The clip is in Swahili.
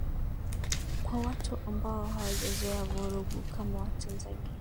kwa watu ambao hawajazoea vurugu kama tanzania